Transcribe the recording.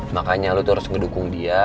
makanya lo tuh harus ngedukung dia